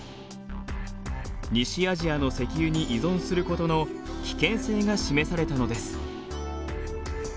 西アジアの石油に依存することの危険性が示されたのです。